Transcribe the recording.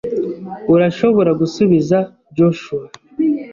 Urashobora gusubiza Joshua.